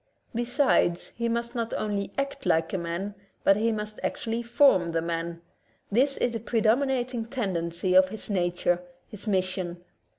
Besides, he must not only act like a man, but he must actually form the man; this is the predominating tendency of his na ture, his mission.